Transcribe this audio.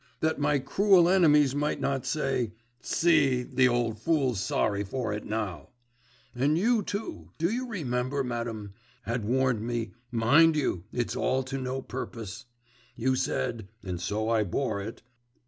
That my cruel enemies might not say, "See, the old fool's sorry for it now"; and you too, do you remember, madam, had warned me; "mind you, it's all to no purpose," you said! and so I bore it.